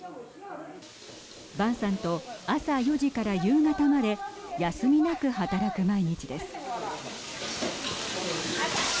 万さんと朝４時から夕方まで休みなく働く毎日です。